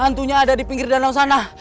hantunya ada di pinggir danau sana